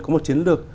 có một chiến lược